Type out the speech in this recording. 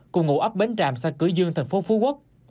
cùng ngủ ấp bến tràm xã cửa dương tp phú quốc